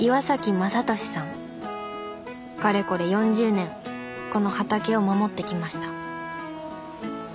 かれこれ４０年この畑を守ってきました。